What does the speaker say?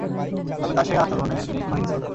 তবে তার সেই আচরণে নেই কোনো হিংস্রতা।